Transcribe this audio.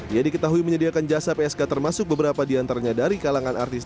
ia diketahui menyediakan jasa psk termasuk beberapa diantaranya dari kalangan artis